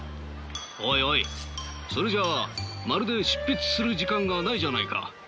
おいおいそれじゃあまるで執筆する時間がないじゃないか。